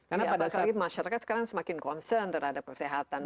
apakah masyarakat sekarang semakin concern terhadap kesehatan